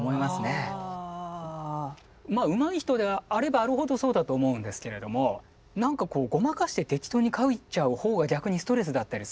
まあうまい人であればあるほどそうだと思うんですけれどもなんかごまかして適当に描いちゃう方が逆にストレスだったりすると思うので。